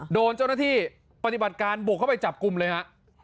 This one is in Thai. โดนเจ้าหน้าที่ปฏิบัติการบุกเข้าไปจับกลุ่มเลยฮะ